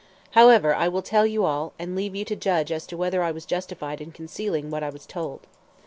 However, I will tell you all, and leave you to judge as to whether I was justified in concealing what I was told.